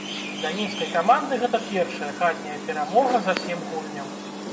Для мінскай каманды гэта першая хатняя перамога за сем гульняў.